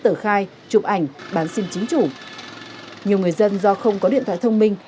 tờ khai chụp ảnh bán xin chính chủ nhiều người dân do không có điện thoại thông minh